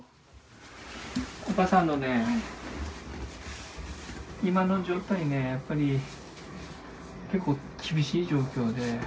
お母さん、あのね、今の状態ね、やっぱり、結構厳しい状況で。